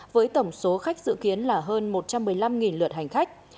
với tổng số khách dự kiến là hơn một trăm một mươi năm lượt hành khách